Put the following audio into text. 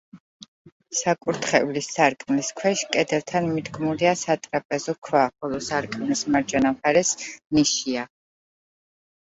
საკურთხევლის სარკმლის ქვეშ, კედელთან მიდგმულია სატრაპეზო ქვა, ხოლო სარკმლის მარჯვენა მხარეს ნიშია.